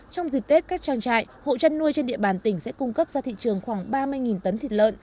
trong dịp tết các trang trại hộ chăn nuôi trên địa bàn tỉnh sẽ cung cấp ra thị trường khoảng ba mươi tấn thịt lợn